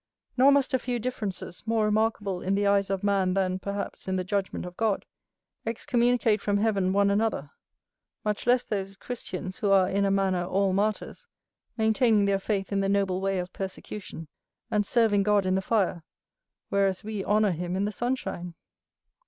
Nor must a few differences, more remarkable in the eyes of man than, perhaps, in the judgment of God, excommunicate from heaven one another; much less those Christians who are in a manner all martyrs, maintaining their faith in the noble way of persecution, and serving God in the fire, whereas we honour him in the sunshine.